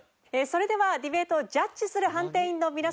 それではディベートをジャッジする判定員の皆様です。